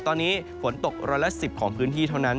ตอนนี้ฝนตกร้อยละ๑๐ของพื้นที่เท่านั้น